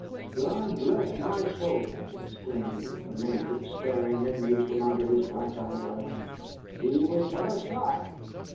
"God bless my soul!" exclaimed the Major, staring at me from under his black eyebrows, "he was but a child."